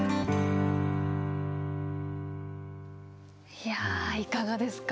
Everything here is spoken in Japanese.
いやいかがですか？